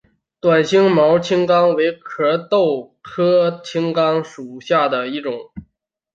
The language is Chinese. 短星毛青冈为壳斗科青冈属下的一个种。